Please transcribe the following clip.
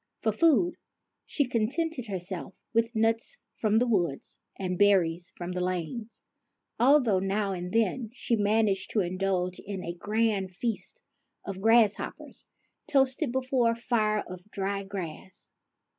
For food she contented herself with nuts from the wood and berries from the lanes, although now and then she managed to indulge in a grand feast of grasshoppers, toasted before a fire of dried grass.